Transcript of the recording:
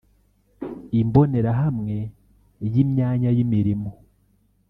imbonerahamwe y’imyanya y’imirimo